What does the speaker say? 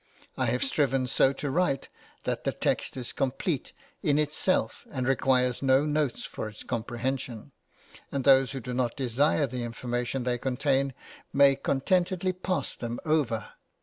I have striven so to write that the text is complete in itself and requires no notes for its comprehension; and those who do not desire the information they contain, may contentedly pass them over.